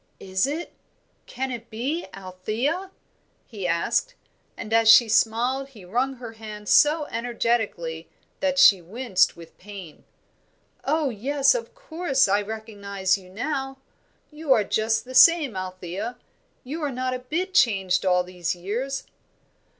"Is it can it be Althea?" he asked; and as she smiled he wrung her hands so energetically that she winced with pain. "Oh, yes, of course, I recognise you now. You are just the same, Althea. You are not a bit changed all these years."